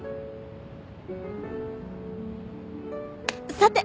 さて！